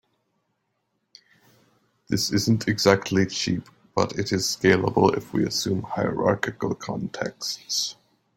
This isn't exactly cheap, but it is scalable if we assume hierarchical contexts.